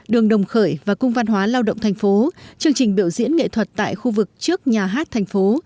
đường đồng khởi và cung văn hóa lao động thành phố chương trình biểu diễn nghệ thuật tại khu vực trước nhà hát thành phố